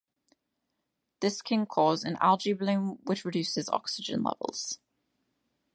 This can cause an algae bloom which reduces oxygen levels.